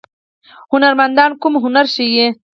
هنرمندان کوم هنر ښيي؟